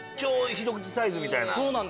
ひと口サイズみたいな。